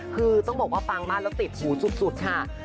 คือต้องบอกว่าปังมากแล้วติดหูสุดค่ะ